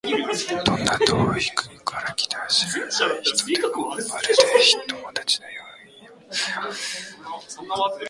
どんな遠い国から来た知らない人でも、まるで友達のようにもてなされます。どこへ行っても、自分の家と同じように安心できます。